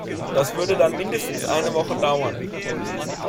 Das würde dann mindestens eine Woche dauern.